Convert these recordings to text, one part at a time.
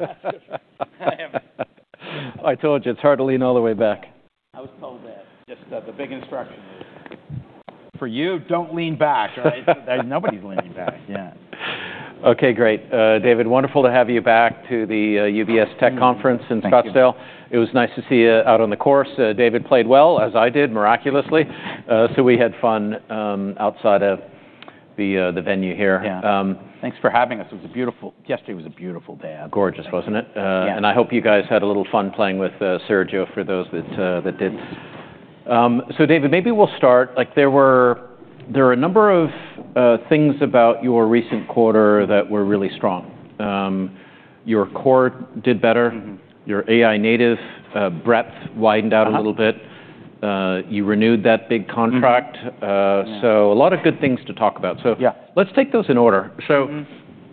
I told you, it's hard to lean all the way back. I was told that. Just the big instruction is. For you, don't lean back, right? Nobody's leaning back, yeah. Okay, great. David, wonderful to have you back to the UBS Tech Conference in Scottsdale. It was nice to see you out on the course. David played well, as I did, miraculously. So we had fun outside of the venue here. Thanks for having us. It was a beautiful day yesterday. Gorgeous, wasn't it? And I hope you guys had a little fun playing with Sergio, for those that did. So David, maybe we'll start. There were a number of things about your recent quarter that were really strong. Your core did better. Your AI native breadth widened out a little bit. You renewed that big contract. So a lot of good things to talk about. So let's take those in order. So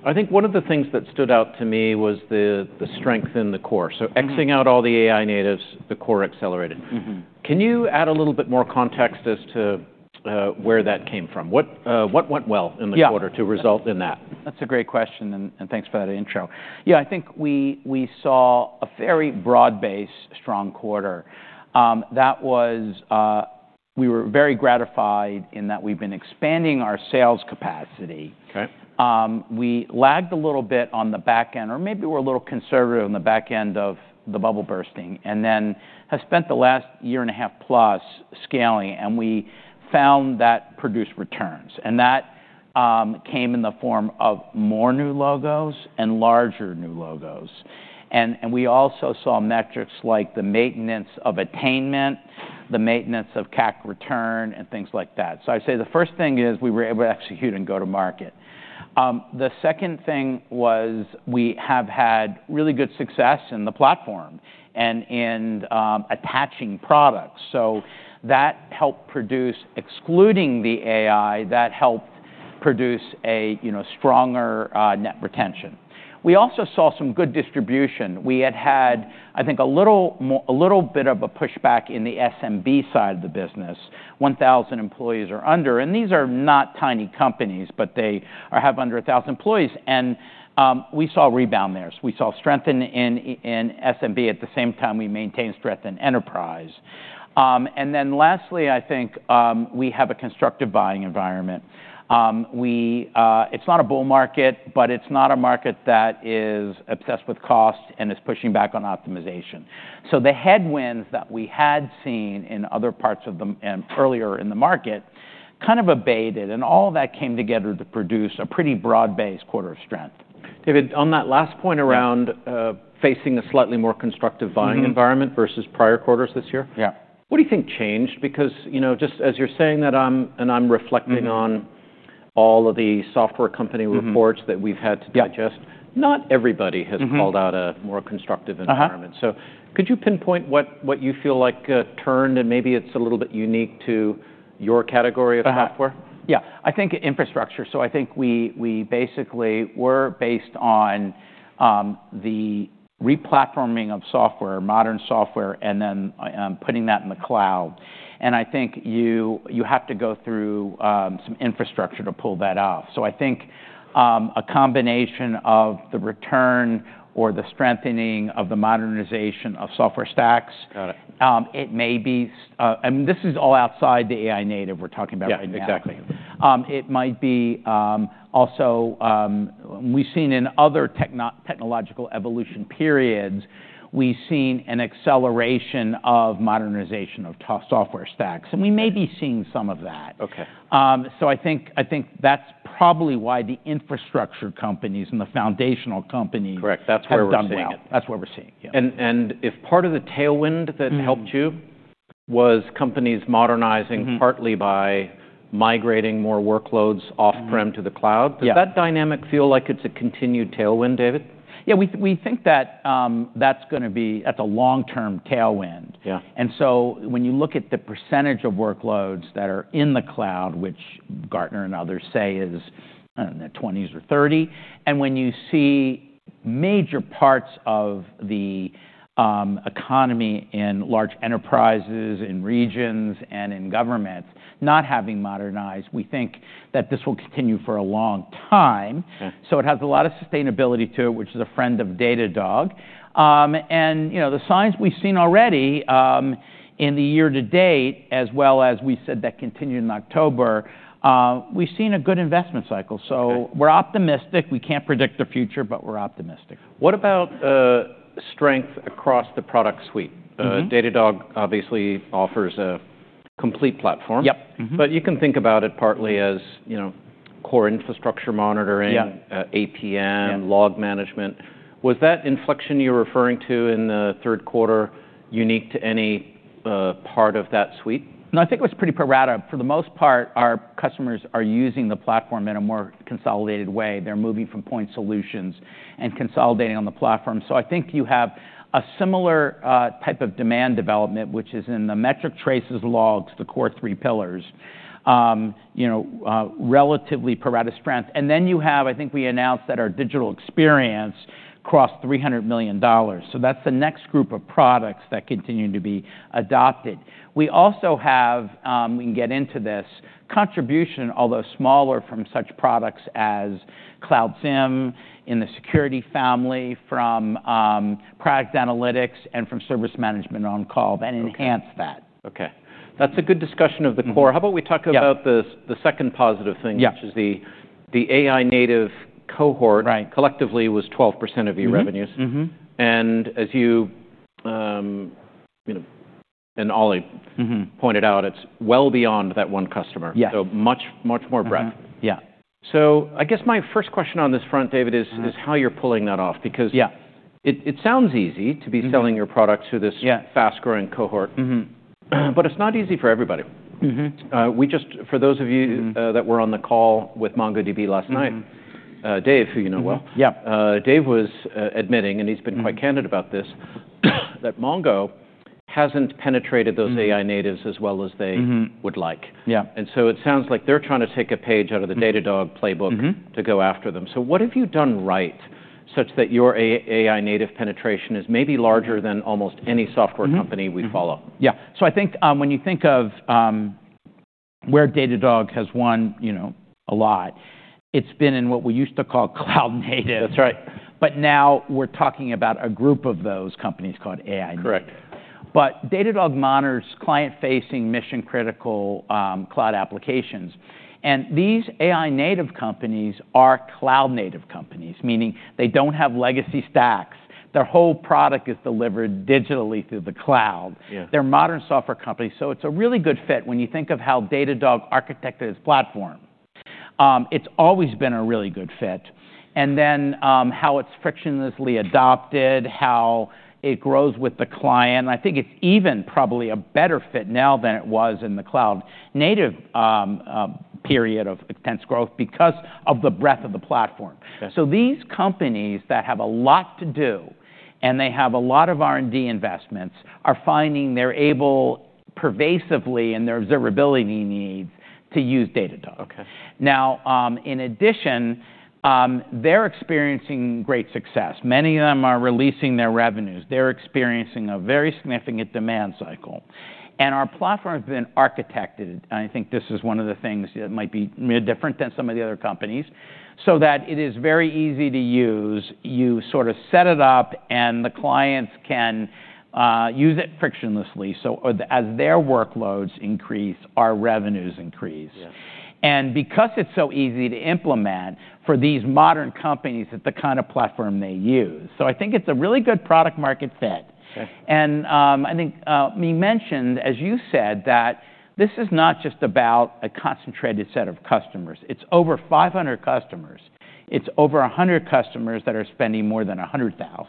I think one of the things that stood out to me was the strength in the core. So X-ing out all the AI natives, the core accelerated. Can you add a little bit more context as to where that came from? What went well in the quarter to result in that? That's a great question, and thanks for that intro. Yeah, I think we saw a very broad-based, strong quarter. We were very gratified in that we've been expanding our sales capacity. We lagged a little bit on the back end, or maybe we're a little conservative on the back end of the bubble bursting, and then have spent the last year and a half plus scng, and we found that produced returns. And that came in the form of more new logos and larger new logos. And we also saw metrics like the maintenance of attainment, the maintenance of CAC return, and things like that. So I'd say the first thing is we were able to execute and go to market. The second thing was we have had really good success in the platform and in attaching products. So that helped produce, excluding the AI, that helped prodeuce a stronger net retention. We also saw some good distribution. We had had, I think, a little bit of a pushback in the SMB side of the business. 1,000 employees or under, and these are not tiny companies, but they have under 1,000 employees. And we saw rebound there. We saw strength in SMB at the same time we maintained strength in enterprise. And then lastly, I think we had a constructive buying environment. It's not a bull market, but it's not a market that is obsessed with cost and is pushing back on optimization. So the headwinds that we had seen in other parts of the earlier in the market kind of abated, and all of that came together to produce a pretty broad-based quarter of strength. David, on that last point around facing a slightly more constructive buying environment versus prior quarters this year, what do you think changed? Because just as you're saying that, and I'm reflecting on all of the software company reports that we've had to digest, not everybody has called out a more constructive environment. So could you pinpoint what you feel like turned, and maybe it's a little bit unique to your category of software? Yeah, I think infrastructure. So I think we basically were based on the replatforming of software, modern software, and then putting that in the cloud. And I think you have to go through some infrastructure to pull that off. So I think a combination of the return or the strengthening of the modernization of software stacks, it may be, and this is all outside the AI native we're talking about right now. Yeah, exactly. It might be also. We've seen in other technological evolution periods, we've seen an acceleration of modernization of software stacks, and we may be seeing some of that. So I think that's probably why the infrastructure companies and the foundational companies. Correct, that's where we're seeing it. That's where we're seeing it, yeah. And if part of the tailwind that helped you was companies modernizing partly by migrating more workloads off-prem to the cloud, does that dynamic feel like it's a continued tailwind, David? Yeah, we think that's going to be a long-term tailwind. And so when you look at the percentage of workloads that are in the cloud, which Gartner and others say is in their 20% or 30%, and when you see major parts of the economy in large enterprises, in regions, and in governments not having modernized, we think that this will continue for a long time. So it has a lot of sustainability to it, which is a friend of Datadog. And the signs we've seen already in the year to date, as well as we said that continued in October, we've seen a good investment cycle. So we're optimistic. We can't predict the future, but we're optimistic. What about strength across the product suite? Datadog obviously offers a complete platform. Yep. But you can think about it partly as core infrastructure monitoring, APM, log management. Was that inflection you're referring to in the third quarter unique to any part of that suite? No, I think it was pretty parallel. For the most part, our customers are using the platform in a more consolidated way. They're moving from point solutions and consolidating on the platform. So I think you have a similar type of demand development, which is in the metrics, traces, logs, the core three pillars, relatively parallel strength. And then you have, I think we announced that our digital experience crossed $300 million. So that's the next group of products that continue to be adopted. We also have, we can get into this, contribution, although smaller, from such products as Cloud SIEM in the security family, from product analytics, and from service management on call that enhance that. Okay. That's a good discussion of the core. How about we talk about the second positive thing, which is the AI native cohort collectively was 12% of your revenues. And as you and Olivier pointed out, it's well beyond that one customer. So much more breadth. Yeah. So I guess my first question on this front, David, is how you're pulling that off. Because it sounds easy to be selling your products to this fast-growing cohort, but it's not easy for everybody. For those of you that were on the call with MongoDB last night, Dave, who you know well, Dave was admitting, and he's been quite candid about this, that Mongo hasn't penetrated those AI natives as well as they would like. And so it sounds like they're trying to take a page out of the Datadog playbook to go after them. So what have you done right such that your AI native penetration is maybe larger than almost any software company we follow? Yeah, so I think when you think of where Datadog has won a lot, it's been in what we used to call cloud native. That's right. But now we're talking about a group of those companies called AI native. Correct. But Datadog monitors client-facing mission-critical cloud applications. And these AI-native companies are cloud-native companies, meaning they don't have legacy stacks. Their whole product is delivered digitally through the cloud. They're a modern software company. So it's a really good fit when you think of how Datadog architected its platform. It's always been a really good fit. And then how it's frictionlessly adopted, how it grows with the client. I think it's even probably a better fit now than it was in the cloud-native period of intense growth because of the breadth of the platform. So these companies that have a lot to do and they have a lot of R&D investments are finding they're able pervasively in their observability needs to use Datadog. Now, in addition, they're experiencing great success. Many of them are releasing their revenues. They're experiencing a very significant demand cycle. Our platform has been architected, and I think this is one of the things that might be different than some of the other companies, so that it is very easy to use. You sort of set it up, and the clients can use it frictionlessly. So as their workloads increase, our revenues increase. And because it's so easy to implement for these modern companies at the kind of platform they use. So I think it's a really good product-market fit. And I think we mentioned, as you said, that this is not just about a concentrated set of customers. It's over 500 customers. It's over 100 customers that are spending more than $100,000,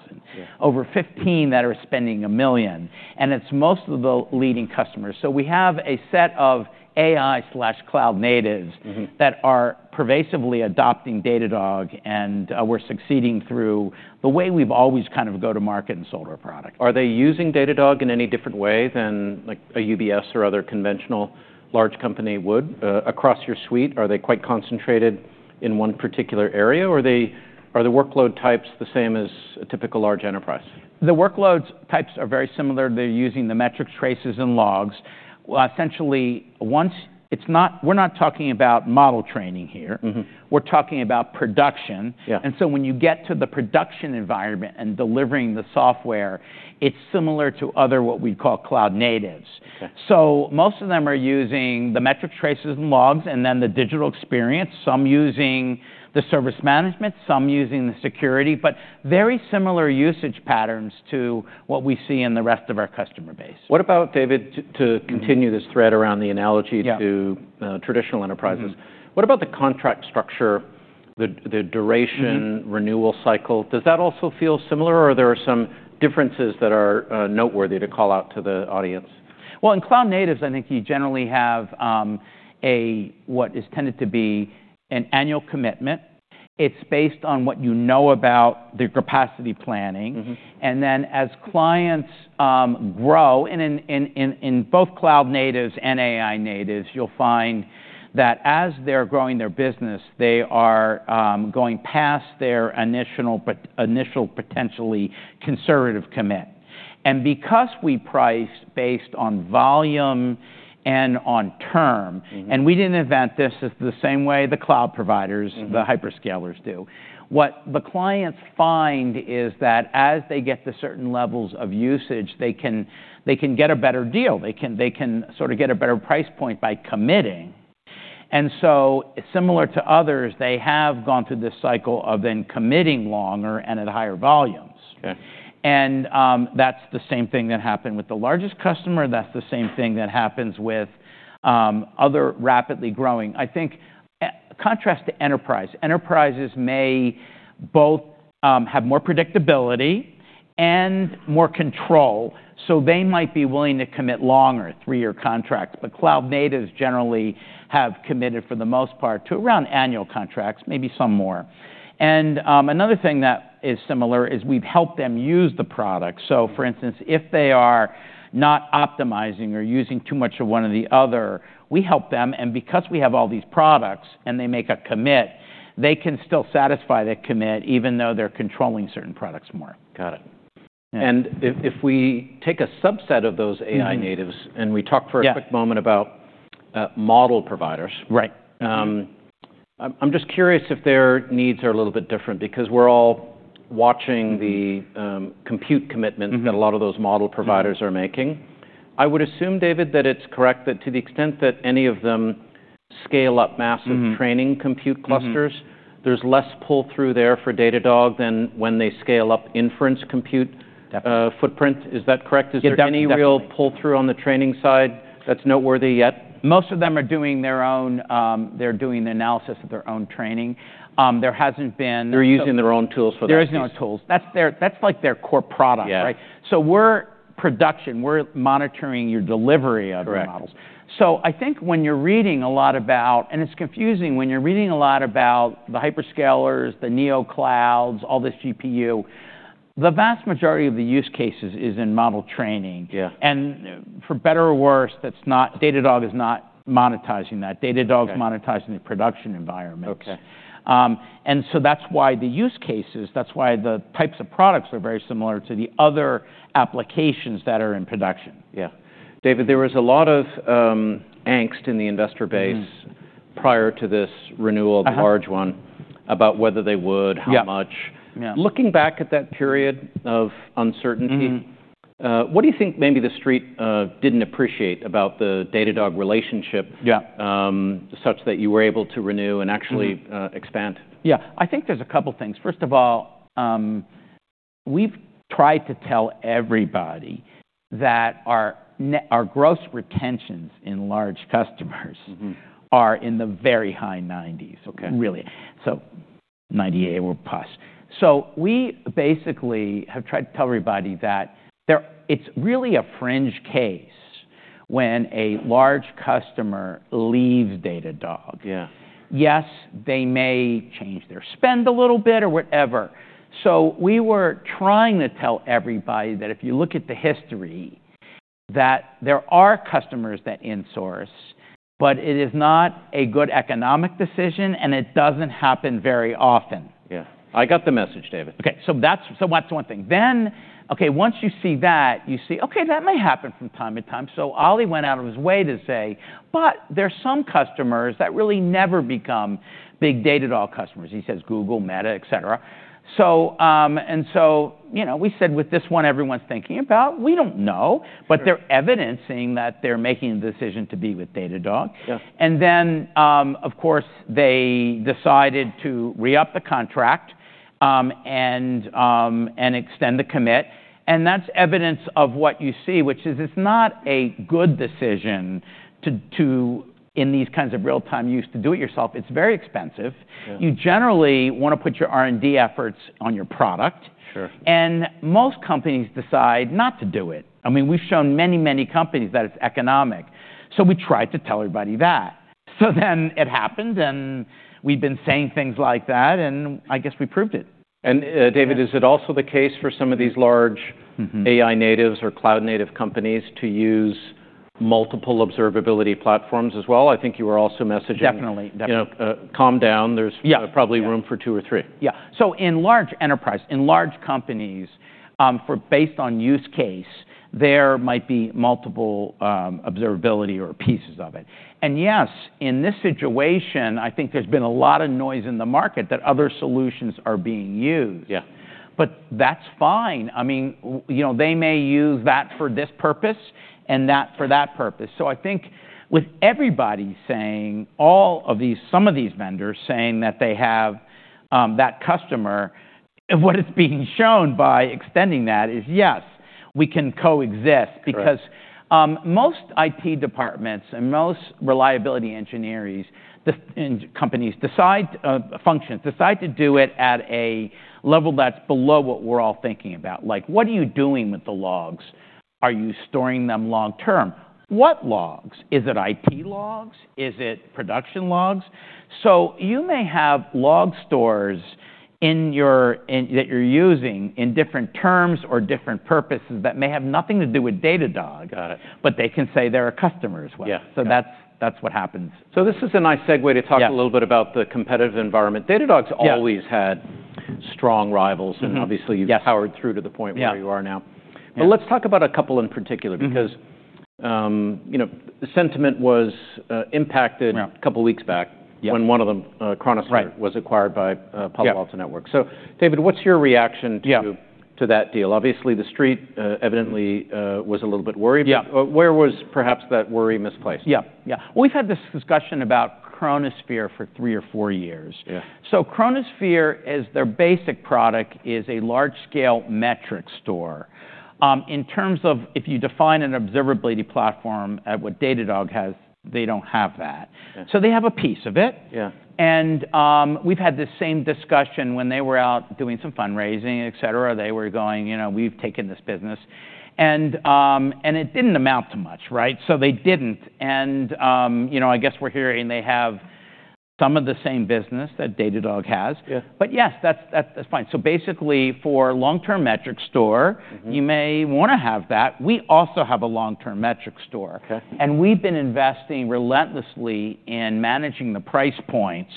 over 15 that are spending $1 million. And it's most of the leading customers. We have a set of AI/cloud natives that are pervasively adopting Datadog, and we're succeeding through the way we've always kind of go-to-market and sold our product. Are they using Datadog in any different way than a UBS or other conventional large company would across your suite? Are they quite concentrated in one particular area, or are the workload types the same as a typical large enterprise? The workload types are very similar. They're using the metrics, traces, and logs. Essentially, once we're not talking about model training here. We're talking about production, and so when you get to the production environment and delivering the software, it's similar to other, what we'd call, cloud natives. So most of them are using the metrics, traces, and logs and then the digital experience. Some using the service management, some using the security, but very similar usage patterns to what we see in the rest of our customer base. What about, David, to continue this thread around the analogy to traditional enterprises, what about the contract structure, the duration, renewal cycle? Does that also feel similar, or are there some differences that are noteworthy to call out to the audience? In cloud natives, I think you generally have what has tended to be an annual commitment. It's based on what you know about the capacity planning. And then as clients grow, in both cloud natives and AI natives, you'll find that as they're growing their business, they are going past their initial potentially conservative commit. And because we price based on volume and on term, and we didn't invent this the same way the cloud providers, the hyperscalers do, what the clients find is that as they get to certain levels of usage, they can get a better deal. They can sort of get a better price point by committing. And so similar to others, they have gone through this cycle of then committing longer and at higher volumes. And that's the same thing that happened with the largest customer. That's the same thing that happens with other rapidly growing, I think, contrast to enterprise. Enterprises may both have more predictability and more control, so they might be willing to commit longer, three-year contracts. But cloud natives generally have committed for the most part to around annual contracts, maybe some more. And another thing that is similar is we've helped them use the product. So for instance, if they are not optimizing or using too much of one or the other, we help them. And because we have all these products and they make a commit, they can still satisfy that commit even though they're controlling certain products more. Got it. And if we take a subset of those AI natives and we talk for a quick moment about model providers, I'm just curious if their needs are a little bit different because we're all watching the compute commitment that a lot of those model providers are making. I would assume, David, that it's correct that to the extent that any of them scale up massive training compute clusters, there's less pull-through there for Datadog than when they scale up inference compute footprint. Is that correct? Is there any real pull-through on the training side that's noteworthy yet? Most of them are doing their own analysis of their own training. There hasn't been. They're using their own tools for that. There is no tools. That's like their core product, right? So we're production. We're monitoring your delivery of your models. So I think when you're reading a lot about, and it's confusing, when you're reading a lot about the hyperscalers, the NeoClouds, all this GPU, the vast majority of the use cases is in model training. And for better or worse, Datadog is not monetizing that. Datadog's monetizing the production environment. And so that's why the use cases, that's why the types of products are very similar to the other applications that are in production. Yeah. David, there was a lot of angst in the investor base prior to this renewal, the large one, about whether they would, how much. Looking back at that period of uncertainty, what do you think maybe the street didn't appreciate about the Datadog relationship such that you were able to renew and actually expand? Yeah, I think there's a couple of things. First of all, we've tried to tell everybody that our gross retentions in large customers are in the very high 90s, really, so 98 or plus. So we basically have tried to tell everybody that it's really a fringe case when a large customer leaves Datadog. Yeah Yes, they may change their spend a little bit or whatever. So we were trying to tell everybody that if you look at the history, that there are customers that in-source, but it is not a good economic decision, and it doesn't happen very often. Yeah. I got the message, David. Okay, so that's one thing. Then, okay, once you see that, you see, okay, that may happen from time to time, so Olivier went out of his way to say, but there are some customers that really never become big Datadog customers. He says Google, Meta, et cetera, and so we said, with this one, everyone's thinking about, we don't know, but they're evidencing that they're making the decision to be with Datadog, and then, of course, they decided to re-up the contract and extend the commit, and that's evidence of what you see, which is it's not a good decision in these kinds of real-time use to do it yourself. It's very expensive. You generally want to put your R&D efforts on your product, and most companies decide not to do it. I mean, we've shown many, many companies that it's economic, so we tried to tell everybody that. So then it happened, and we've been saying things like that, and I guess we proved it. David, is it also the case for some of these large AI natives or cloud native companies to use multiple observability platforms as well? I think you were also messaging. Definitely. Calm down. There's probably room for two or three. Yeah. So in large enterprise, in large companies, based on use case, there might be multiple observability or pieces of it. And yes, in this situation, I think there's been a lot of noise in the market that other solutions are being used. But that's fine. I mean, they may use that for this purpose and that for that purpose. So I think with everybody saying, all of these, some of these vendors saying that they have that customer, what is being shown by extending that is, yes, we can coexist. Because most IT departments and most reliability engineering companies decide to do it at a level that's below what we're all thinking about. Like, what are you doing with the logs? Are you storing them long-term? What logs? Is it IT logs? Is it production logs? So you may have log stores that you're using in different terms or different purposes that may have nothing to do with Datadog, but they can say they're a customer as well. So that's what happens. So this is a nice segue to talk a little bit about the competitive environment. Datadog's always had strong rivals, and obviously, you've powered through to the point where you are now. But let's talk about a couple in particular because sentiment was impacted a couple of weeks back when one of them, Chronosphere, was acquired by Palo Alto Networks. So David, what's your reaction to that deal? Obviously, the street evidently was a little bit worried, but where was perhaps that worry misplaced? Yeah. Yeah. Well, we've had this discussion about Chronosphere for three or four years. So Chronosphere, as their basic product, is a large-scale metric store. In terms of if you define an observability platform at what Datadog has, they don't have that. So they have a piece of it. And we've had this same discussion when they were out doing some fundraising, et cetera. They were going, we've taken this business. And it didn't amount to much, right? So they didn't. And I guess we're hearing they have some of the same business that Datadog has. But yes, that's fine. So basically, for long-term metric store, you may want to have that. We also have a long-term metric store. And we've been investing relentlessly in managing the price points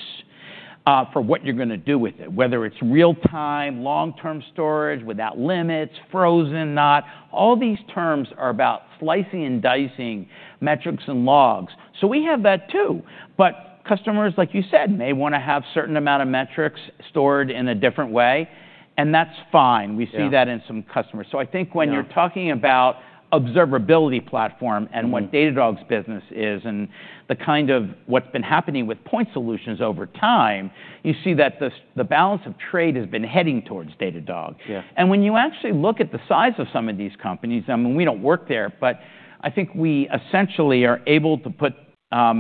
for what you're going to do with it, whether it's real-time, long-term storage without limits, frozen, not. All these terms are about slicing and dicing metrics and logs, so we have that too, but customers, like you said, may want to have a certain amount of metrics stored in a different way, and that's fine. We see that in some customers, so I think when you're talking about observability platform and what Datadog's business is and the kind of what's been happening with point solutions over time, you see that the balance of trade has been heading towards Datadog, and when you actually look at the size of some of these companies, I mean, we don't work there, but I think we essentially are able to put,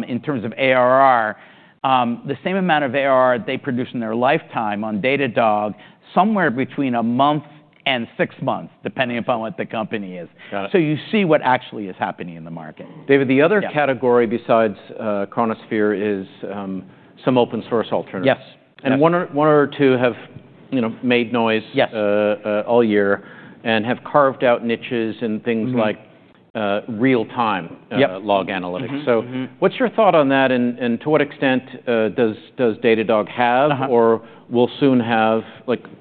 in terms of ARR, the same amount of ARR they produce in their lifetime on Datadog somewhere between a month and six months, depending upon what the company is, so you see what actually is happening in the market. David, the other category besides Chronosphere is some open-source alternatives. And one or two have made noise all year and have carved out niches in things like real-time log analytics. So what's your thought on that, and to what extent does Datadog have or will soon have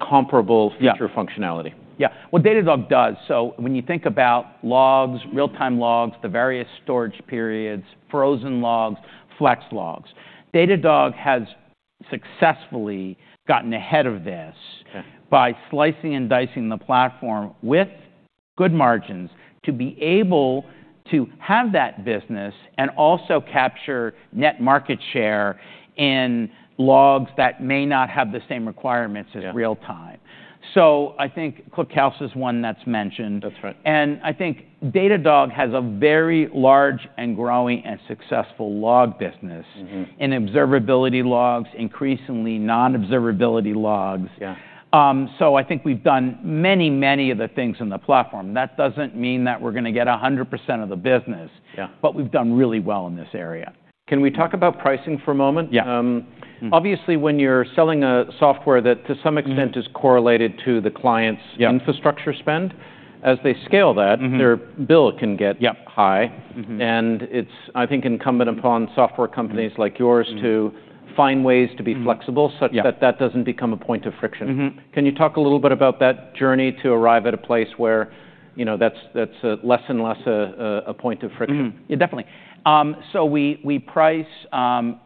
comparable future functionality? Yeah. What Datadog does, so when you think about logs, real-time logs, the various storage periods, frozen logs, flex logs, Datadog has successfully gotten ahead of this by slicing and dicing the platform with good margins to be able to have that business and also capture net market share in logs that may not have the same requirements as real-time. So I think ClickHouse is one that's mentioned. And I think Datadog has a very large and growing and successful log business in observability logs, increasingly non-observability logs. So I think we've done many, many of the things in the platform. That doesn't mean that we're going to get 100% of the business, but we've done really well in this area. Can we talk about pricing for a moment? Obviously, when you're selling a software that to some extent is correlated to the client's infrastructure spend, as they scale that, their bill can get high. And it's, I think, incumbent upon software companies like yours to find ways to be flexible such that that doesn't become a point of friction. Can you talk a little bit about that journey to arrive at a place where that's less and less a point of friction? Yeah, definitely. So we price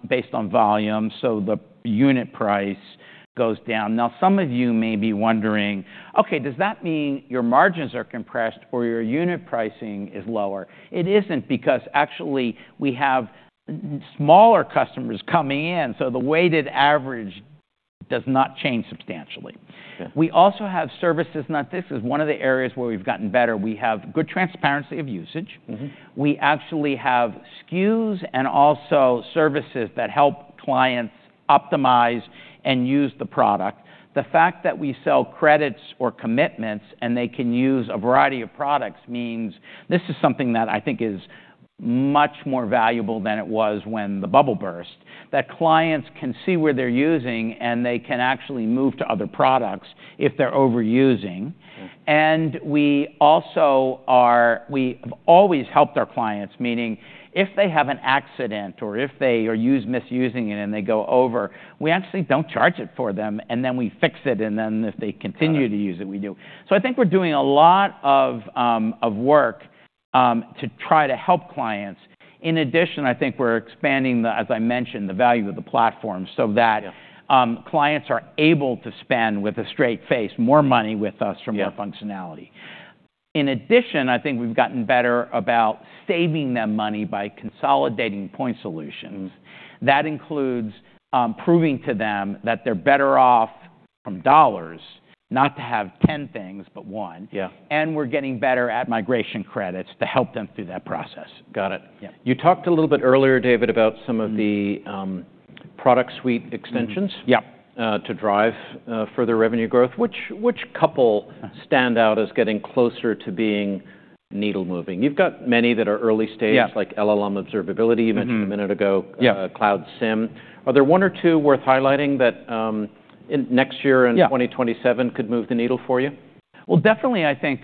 based on volume. So the unit price goes down. Now, some of you may be wondering, okay, does that mean your margins are compressed or your unit pricing is lower? It isn't because actually we have smaller customers coming in. So the weighted average does not change substantially. We also have services. This is one of the areas where we've gotten better. We have good transparency of usage. We actually have SKUs and also services that help clients optimize and use the product. The fact that we sell credits or commitments and they can use a variety of products means this is something that I think is much more valuable than it was when the bubble burst, that clients can see where they're using and they can actually move to other products if they're overusing. We also have always helped our clients, meaning if they have an accident or if they are misusing it and they go over, we actually don't charge it for them. And then we fix it. And then if they continue to use it, we do. So I think we're doing a lot of work to try to help clients. In addition, I think we're expanding, as I mentioned, the value of the platform so that clients are able to spend with a straight face more money with us from our functionality. In addition, I think we've gotten better about saving them money by consolidating point solutions. That includes proving to them that they're better off from dollars, not to have 10 things, but one. And we're getting better at migration credits to help them through that process. Got it. You talked a little bit earlier, David, about some of the product suite extensions to drive further revenue growth. Which couple stand out as getting closer to being needle-moving? You've got many that are early stage like LLM observability. You mentioned a minute ago Cloud SIEM. Are there one or two worth highlighting that next year and 2027 could move the needle for you? Definitely, I think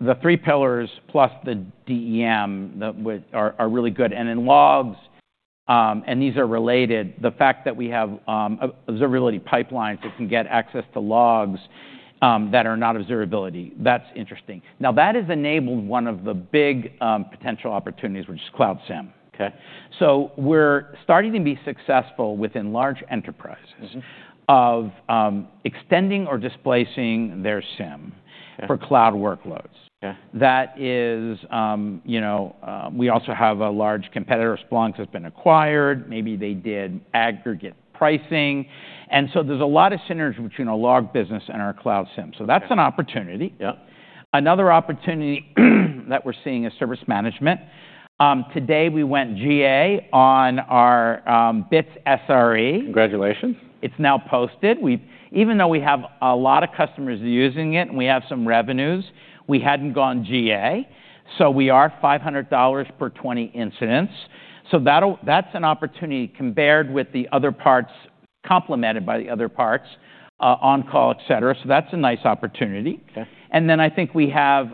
the three pillars plus the DEM are really good. And in logs, and these are related, the fact that we have observability pipelines that can get access to logs that are not observability, that's interesting. Now, that has enabled one of the big potential opportunities, which is Cloud SIEM. So we're starting to be successful within large enterprises of extending or displacing their SIEM for cloud workloads. That is, we also have a large competitor, Splunk, has been acquired. Maybe they did aggregate pricing. And so there's a lot of synergy between our log business and our Cloud SIEM. So that's an opportunity. Another opportunity that we're seeing is service management. Today, we went GA on our Bits SRE. Congratulations. It's now posted. Even though we have a lot of customers using it and we have some revenues, we hadn't gone GA. So we are $500 per 20 incidents. So that's an opportunity compared with the other parts, complemented by the other parts, on-call, et cetera. So that's a nice opportunity. And then I think we have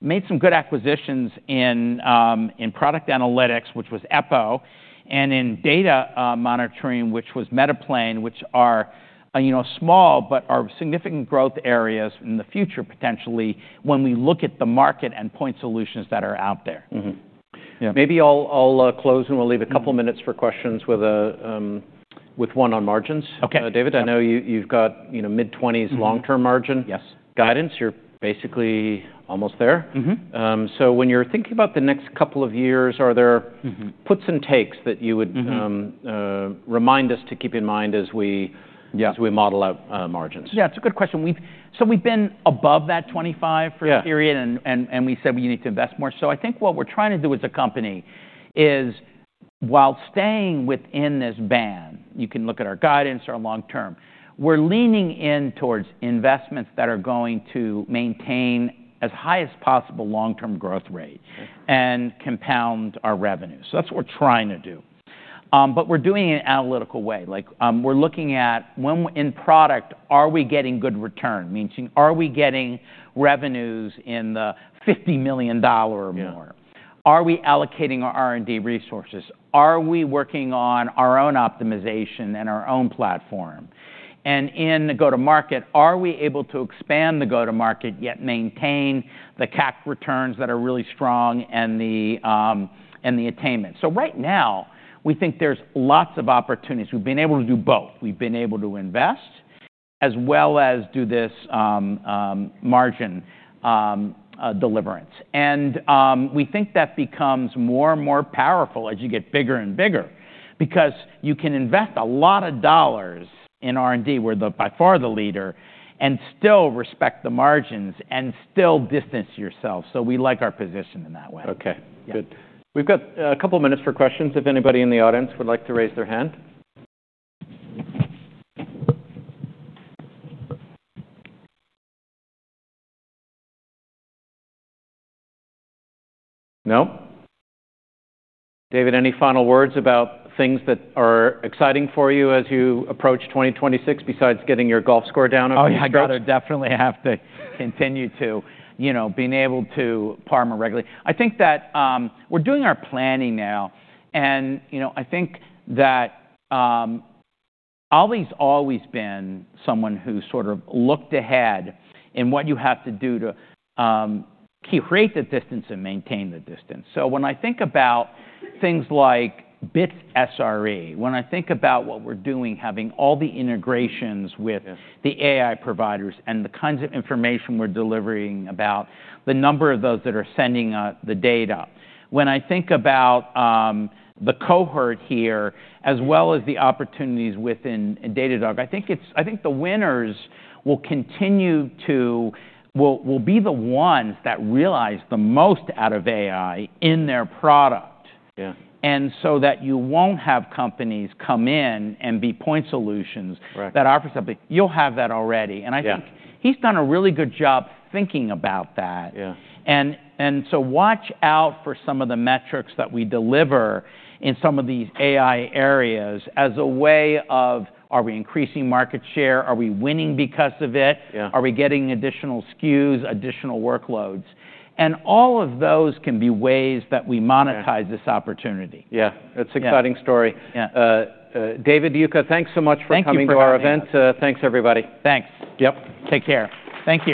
made some good acquisitions in product analytics, which was Eppo, and in data monitoring, which was Metaplane, which are small but are significant growth areas in the future potentially when we look at the market and point solutions that are out there. Maybe I'll close and we'll leave a couple of minutes for questions with one on margins. David, I know you've got mid-20s long-term margin guidance. You're basically almost there. So when you're thinking about the next couple of years, are there puts and takes that you would remind us to keep in mind as we model out margins? Yeah, it's a good question. So we've been above that 25 for a period, and we said we need to invest more, so I think what we're trying to do as a company is, while staying within this band, you can look at our guidance, our long-term, we're leaning in towards investments that are going to maintain as high as possible long-term growth rate and compound our revenue, so that's what we're trying to do, but we're doing it in an analytical way. We're looking at, in product, are we getting good return? Meaning, are we getting revenues in the $50 million or more? Are we allocating our R&D resources? Are we working on our own optimization and our own platform? And in the go-to-market, are we able to expand the go-to-market yet maintain the CAC returns that are really strong and the attainment? Right now, we think there's lots of opportunities. We've been able to do both. We've been able to invest as well as do this margin delivery, and we think that becomes more and more powerful as you get bigger and bigger because you can invest a lot of dollars in R&D, we're by far the leader, and still respect the margins and still distance yourself, so we like our position in that way. Okay. Good. We've got a couple of minutes for questions. If anybody in the audience would like to raise their hand. No? David, any final words about things that are exciting for you as you approach 2026 besides getting your goal score down? Oh, I'd rather definitely have to continue to being able to partner regularly. I think that we're doing our planning now, and I think that Ali's always been someone who sort of looked ahead in what you have to do to create the distance and maintain the distance. So when I think about things like Bits SRE, when I think about what we're doing, having all the integrations with the AI providers and the kinds of information we're delivering about the number of those that are sending the data. When I think about the cohort here as well as the opportunities within Datadog, I think the winners will be the ones that realize the most out of AI in their product, and so that you won't have companies come in and be point solutions that offer something. You'll have that already. Yeah And I think he's done a really good job thinking about that. Yeah And so watch out for some of the metrics that we deliver in some of these AI areas as a way of, are we increasing market share? Are we winning because of it? Are we getting additional SKUs, additional workloads? And all of those can be ways that we monetize this opportunity. Yeah. That's an exciting story. David, thanks so much for coming to our event. Thanks, everybody. Thanks. Yep. Take care. Thank you.